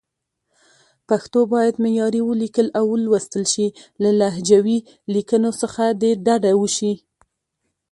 پښتو باید معیاري ولیکل او ولوستل شي، له لهجوي لیکنو څخه دې ډډه وشي.